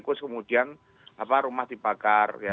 terus kemudian rumah dibakar